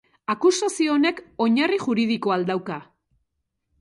Akusazio honek oinarri juridikoa al dauka?